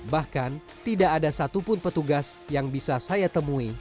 bahkan tidak ada satupun petugas yang bisa saya temui